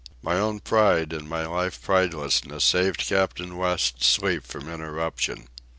My own pride in my life pridelessness saved Captain West's sleep from interruption.